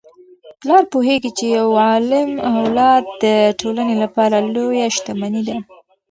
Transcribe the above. پلار پوهیږي چي یو عالم اولاد د ټولنې لپاره لویه شتمني ده.